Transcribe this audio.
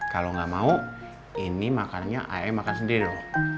kalau gak mau ini makannya ayahnya makan sendiri lho